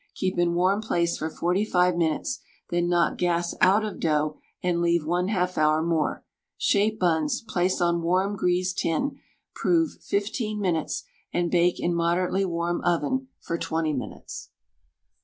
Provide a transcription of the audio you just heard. Keep in warm place for 45 minutes, then knock gas out of dough and leave 1/2 hour more; shape buns, place on warm greased tin, prove 15 minutes and bake in moderately warm oven for 20 minutes.